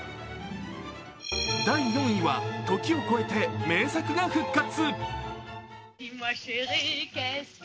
第４位は、時を越えて名作が復活。